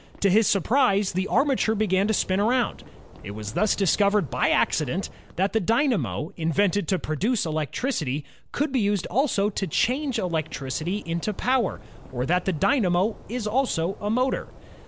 To his surprise the armature began to spin around. It was thus discovered by accident that the dynamo, invented to produce electricity, could be used also to change electricity into power, or that the dynamo is also a motor.